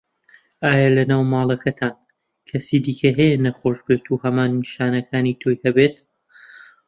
ئایا لەناو ماڵەکەتان کەسی دیکه هەیە نەخۆش بێت و هەمان نیشانەکانی تۆی هەبێت؟